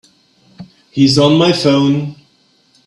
He's on my phone.